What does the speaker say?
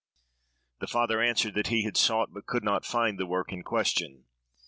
The father answered that he had sought but could not find the work in question.